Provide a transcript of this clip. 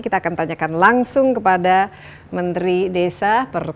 kita akan tanyakan langsung kepada menteri desa